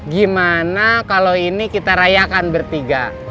gimana kalau ini kita rayakan bertiga